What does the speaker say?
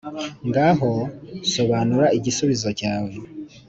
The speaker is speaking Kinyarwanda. Ngaho Sobanura igisubizo cyawe.